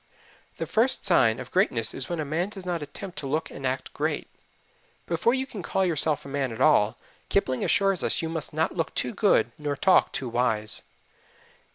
The first sign of greatness is when a man does not attempt to look and act great. Before you can call yourself a man at all, Kipling assures us, you must "not look too good nor talk too wise."